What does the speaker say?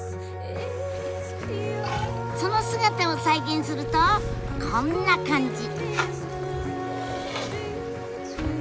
その姿を再現するとこんな感じ。